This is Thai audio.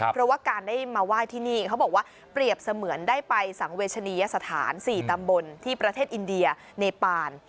เพราะว่าการได้มาไหว้ที่นี่เขาบอกว่าเปรียบเสมือนได้ไปสังเวชนียสถาน๔ตำบลที่ประเทศอินเดียเนปาน